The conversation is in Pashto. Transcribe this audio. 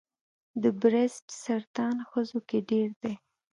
د بریسټ سرطان ښځو کې ډېر دی.